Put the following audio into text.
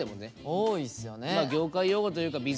多いっすよね。